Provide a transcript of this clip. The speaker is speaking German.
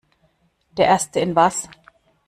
Der Erste in was?